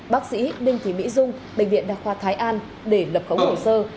bác sĩ đinh thị mỹ dung bệnh viện đa khoa thái an để lập khống hồ sơ